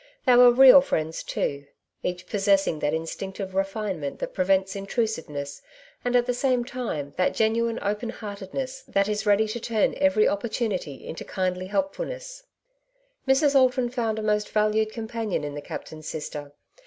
They were real friends too, each possessing that instinctive refine ment that prevents intrusiveness, and at the same time that genuine open heartedness that is ready to turn every opportunity into kindly helpfulness, Mrs. Alton found a most valued companion in the captain's sister.